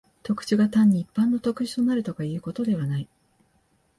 特殊が単に一般の特殊となるとかいうことではない。